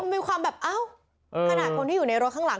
มีความแบบเอ้าขนาดคนที่อยู่ในรถข้างหลัง